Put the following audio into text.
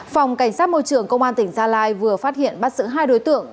phòng cảnh sát môi trường công an tỉnh gia lai vừa phát hiện bắt giữ hai đối tượng